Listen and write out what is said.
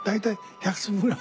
１００粒ぐらい？